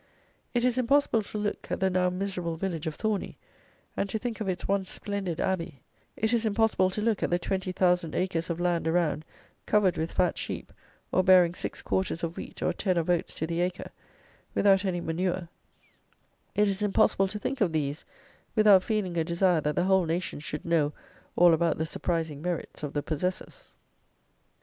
It is impossible to look at the now miserable village of Thorney, and to think of its once splendid abbey; it is impossible to look at the twenty thousand acres of land around, covered with fat sheep, or bearing six quarters of wheat or ten of oats to the acre, without any manure; it is impossible to think of these without feeling a desire that the whole nation should know all about the surprising merits of the possessors.